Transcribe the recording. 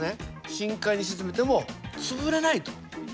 深海に沈めても潰れないといわれてる。